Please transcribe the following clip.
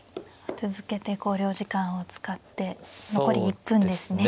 続けて考慮時間を使って残り１分ですね。